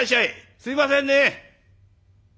すいませんね」。